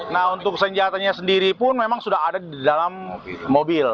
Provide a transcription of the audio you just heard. nah untuk senjatanya sendiri pun memang sudah ada di dalam mobil